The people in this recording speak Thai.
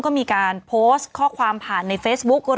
ก็มีการโพสต์ข้อความผ่านในเฟซบุ๊ค